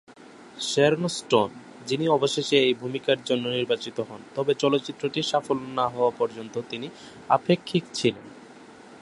Sharon Stone, যিনি অবশেষে এই ভূমিকার জন্য নির্বাচিত হন, তবে চলচ্চিত্রটির সাফল্য না হওয়া পর্যন্ত তিনি আপেক্ষিক ছিলেন।